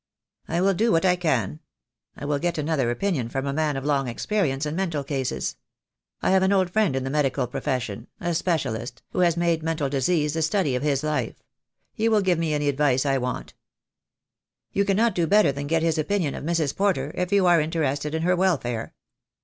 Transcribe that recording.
"I will do what I can. I will get another opinion from a man of long experience in mental cases. I have an old friend in the medical profession, a specialist, who I36 THE DAY WILL COME. has made mental disease the study of his life. He will give me any advice I want." "You cannot do better than get his opinion of Mrs. Porter, if you are interested in her welfare."